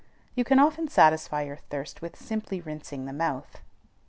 You can often satisfy your thirst with simply rinsing the mouth.